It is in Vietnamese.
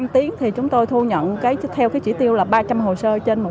một mươi năm tiếng thì chúng tôi thu nhận theo cái chỉ tiêu là ba trăm linh hồ sơ